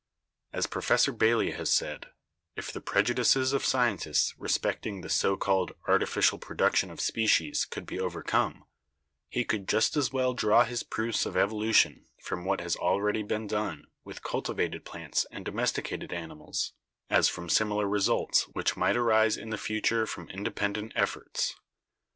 As Professor Bailey has said, "If the prejudices of scientists respecting the so called artificial production of species could be overcome, he could just as well draw his proofs of evolution from what has already been done with cultivated plants and domesticated animals as from similar results which might arise in the future from independent efforts."